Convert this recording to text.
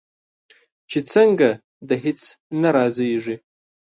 چې څنګه؟ د هیڅ نه رازیږې